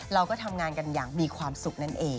เราก็ทำงานกันอย่างมีความสุขนั่นเอง